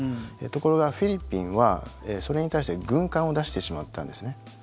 ところが、フィリピンはそれに対して軍艦を出してしまったんですね。